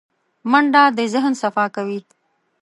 منډه د ذهن صفا کوي